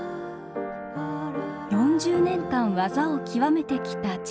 ４０年間技を極めてきた父。